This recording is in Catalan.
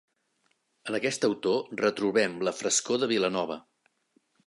En aquest autor retrobem la frescor de Vilanova.